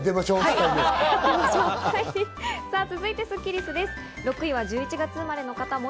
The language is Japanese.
続いてスッキりすです。